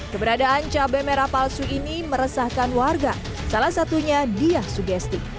keberadaan cabai merah palsu ini meresahkan warga salah satunya diah sugesti